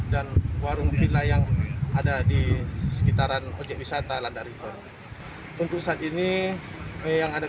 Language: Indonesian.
dan warung villa yang ada di sekitaran objek wisata landa river untuk saat ini yang ada